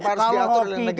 harus diatur oleh negara